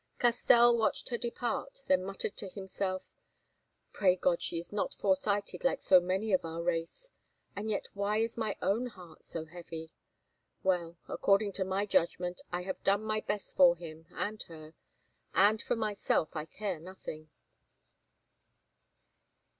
Castell watched her depart, then muttered to himself: "Pray God she is not foresighted like so many of our race; and yet why is my own heart so heavy? Well, according to my judgment, I have done my best for him and her, and for myself I care nothing."